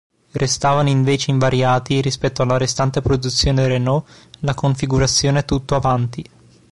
Restavano invece invariati, rispetto alla restante produzione Renault, la configurazione "tutto avanti".